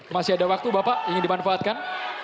masih ada waktu bapak ingin dimanfaatkan